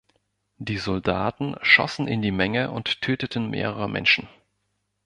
Die Soldaten schossen in die Menge und töteten mehrere Menschen.